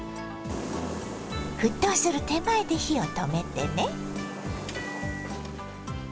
沸騰する手前で火を止めてね。